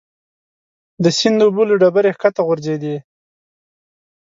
د سیند اوبه له ډبرې ښکته غورځېدې.